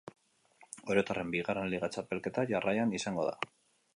Oriotarren bigarren liga txapelketa jarraian izango da.